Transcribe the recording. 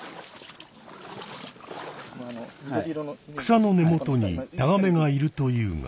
草の根元にタガメがいるというが。